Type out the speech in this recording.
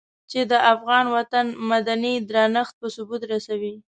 چې د افغان وطن مدني درنښت په ثبوت رسوي.